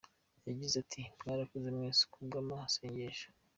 Yagize ati "Mwarakoze mwese ku bw’amasengesho.